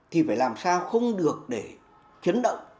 thì phải làm sao không được để chấn động